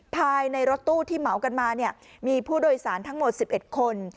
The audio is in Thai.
ภายในรถตู้ที่เหมากันมามีผู้โดยสารทั้งหมด๑๑คน